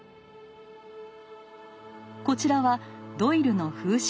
こちらはドイルの風刺画。